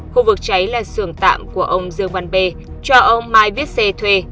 khu vực cháy là sườn tạm của ông dương văn bê cho ông mai viết xê thuê